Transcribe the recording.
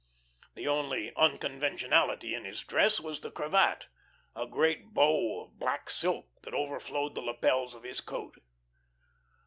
The only unconventionality in his dress was the cravat, a great bow of black silk that overflowed the lapels of his coat.